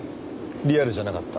リアルじゃなかった。